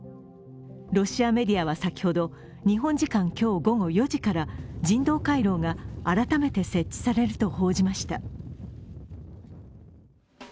ロシアメディアは先ほど日本時間、今日午後４時から人道回廊が改めて設置されると報じました。